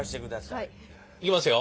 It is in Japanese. いきますよ？